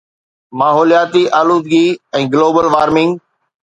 ماحولياتي آلودگي ۽ global warming